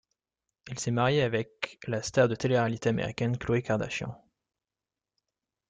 Il s'est marié le avec la star de télé réalité américaine Khloé Kardashian.